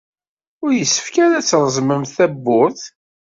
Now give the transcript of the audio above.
Ur yessefk ara ad treẓmemt tawwurt.